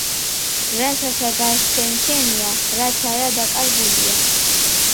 რასაცა გასცემ შენია, რაც არა, დაკარგულია!“